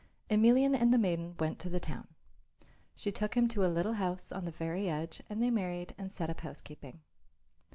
Emelian and the maiden went to the town. She took him to a little house on the very edge and they married and set up housekeeping.